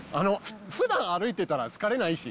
ふだん歩いてたら疲れないし。